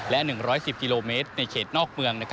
และ๑๑๐กิโลเมตรในเขตนอกเมือง